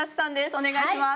お願いします。